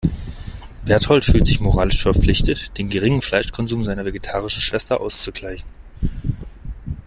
Bertold fühlt sich moralisch verpflichtet, den geringen Fleischkonsum seiner vegetarischen Schwester auszugleichen.